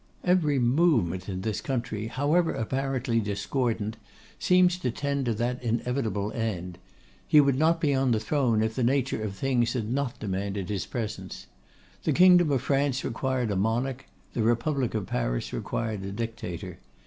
'Every movement in this country, however apparently discordant, seems to tend to that inevitable end. He would not be on the throne if the nature of things had not demanded his presence. The Kingdom of France required a Monarch; the Republic of Paris required a Dictator.